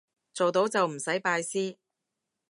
做到就唔使拜師